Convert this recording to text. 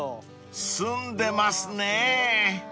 ［澄んでますねぇ］